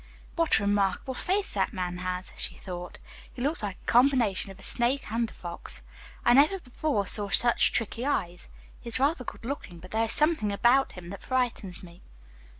"What a remarkable face that man has," she thought. "He looks like a combination of a snake and a fox. I never before saw such tricky eyes. He is rather good looking, but there is something about him that frightens one."